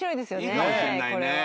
いいかもしれないね。